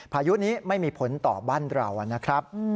พายุนี้ไม่มีผลต่อบ้านเรานะครับ